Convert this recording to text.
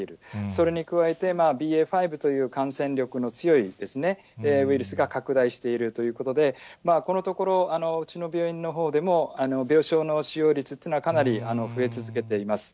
それに加えて、ＢＡ．５という感染力の強いウイルスが拡大しているということで、このところ、うちの病院のほうでも、病床の使用率というのはかなり増え続けています。